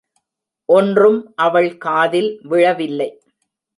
ஒன்றும் அவள் காதில் விழவில்லை.